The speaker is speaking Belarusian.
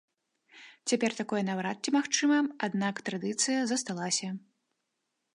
Цяпер такое наўрад ці магчыма, аднак традыцыя засталася.